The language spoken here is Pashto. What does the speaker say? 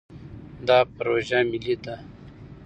دا پروژه ملي ده.